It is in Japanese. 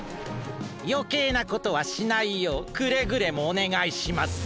よけいなことはしないようくれぐれもおねがいしますよ。